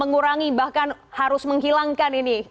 mengurangi bahkan harus menghilangkan ini